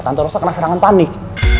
tante rosa kena serangan panik